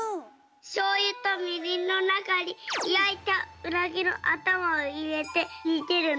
しょうゆとみりんのなかにやいたうなぎのあたまをいれてにてるの。